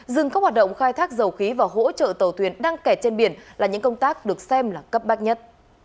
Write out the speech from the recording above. dừng các hoạt động khai thác dầu khí và hỗ trợ tàu thuyền đang kẹt trên biển là những công tác được xem là cấp bách nhất